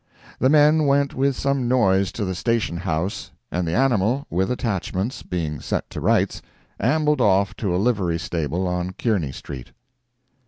The men went with some noise to the station house, and the animal, with attachments, being set to rights, ambled off to a livery stable on Kearny street.